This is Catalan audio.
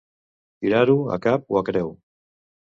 Tirar-ho a cap o a creu.